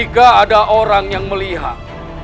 ketika ada orang yang melihat